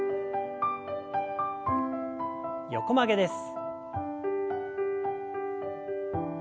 横曲げです。